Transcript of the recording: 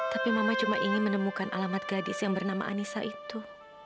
tapi mama cuma ingin menemukan alamat gadis yang bernama anissa itu